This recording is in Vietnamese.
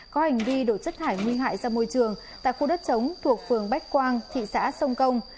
có hành vi đổ chất thải nguy hại ra môi trường tại khu đất chống thuộc phường bách quang thị xã sông công